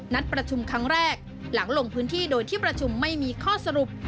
ประชุมครั้งแรกหลังลงพื้นที่โดยที่ประชุมไม่มีข้อสรุป